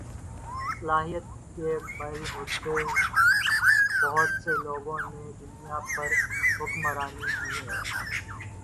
صلاحیت کے بل بوتے بہت سے لوگوں نے دنیا پر حکمرانی کی ہے